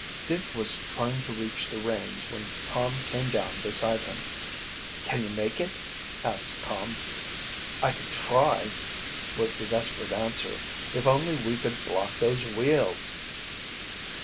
Dick was trying to reach the reins when Tom came down beside him. "Can you make it?" asked Tom. "I can try," was the desperate answer. "If only we could block those wheels!"